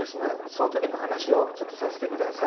その時の話をちょっとさせて下さい。